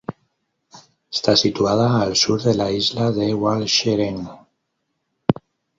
Está situada al sur de la isla de Walcheren.